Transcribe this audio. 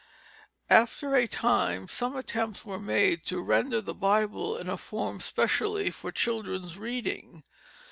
After a time some attempts were made to render the Bible in a form specially for children's reading.